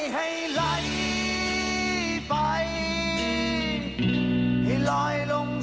ให้ท้ายไป